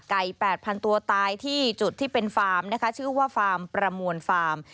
๘๐๐๐ตัวตายที่จุดที่เป็นฟาร์มนะคะชื่อว่าฟาร์มประมวลฟาร์ม